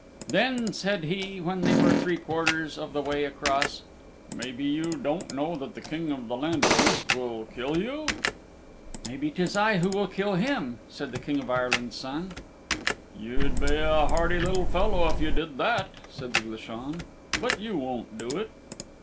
Then said he when they were three quarters of the way across, "Maybe you don't know that the King of the Land of Mist will kill you?" "Maybe 'tis I who will kill him," said the King of Ireland's Son. "You'd be a hardy little fellow if you did that," said the Glashan. "But you won't do it."